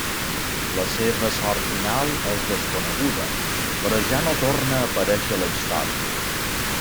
La seva sort final és desconeguda, però ja no torna a aparèixer a la història.